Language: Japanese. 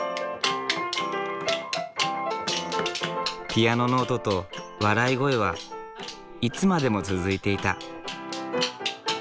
ピアノの音と笑い声はいつまでも続いていた。